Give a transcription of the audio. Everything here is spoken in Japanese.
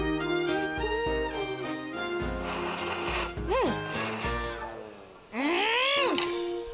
うん！